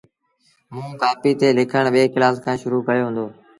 موݩ ڪآپيٚ تي لکڻ ٻي ڪلآس کآݩ شرو ڪيو هُݩدو۔